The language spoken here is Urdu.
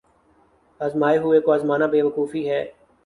آزمائے ہوئے کو آزمانا بے وقوفی ہے۔